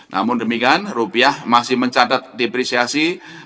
namun demikian rupiah masih mencatat depresiasi